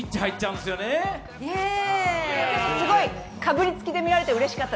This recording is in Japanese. でもすごい、かぶりつきで見られてうれしかった。